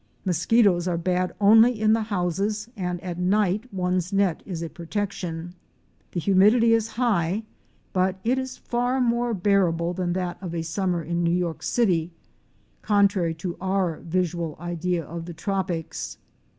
Mosquitoes are bad only in the houses and at night one's net is a protection. The humidity is high but GEORGETOWN. 121 it is far more bearable than that of a summer in New York City, contrary to our usual idea of the tropics.